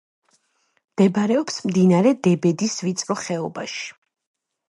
მდებარეობს მდინარე დებედის ვიწრო ხეობაში.